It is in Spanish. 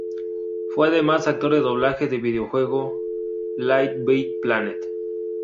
Fue además actor de doblaje del videojuego "Little Big Planet".